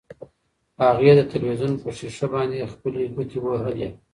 هغې د تلویزیون په شیشه باندې خپلې ګوتې وهلې.